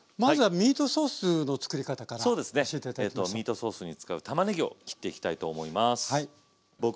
ミートソースに使うたまねぎを切っていきたいと思います。